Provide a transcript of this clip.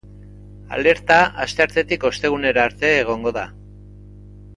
Alerta asteartetik ostegunera arte egongo da.